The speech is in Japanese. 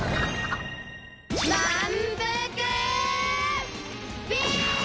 まんぷくビーム！